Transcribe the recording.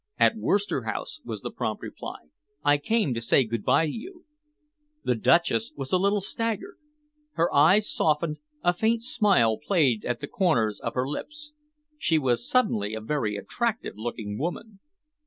"At Worcester House," was the prompt reply. "I came to say good bye to you." The Duchess was a little staggered. Her eyes softened, a faint smile played at the corners of her lips. She was suddenly a very attractive looking woman.